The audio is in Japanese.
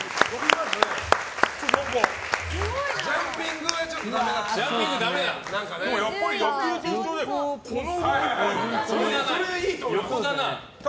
ジャンピングがちょっとダメだった。